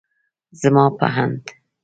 زما په اند